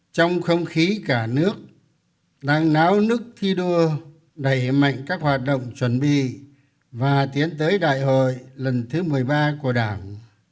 trong không khí cả nước đang náo nức thi đua đẩy mạnh các hoạt động chuẩn bị và tiến tới đại hội lần thứ một mươi ba của đảng